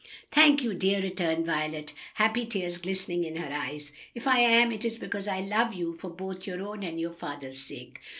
"Thank you, dear," returned Violet, happy tears glistening in her eyes; "if I am, it is because I love you for both your own and your father's sake."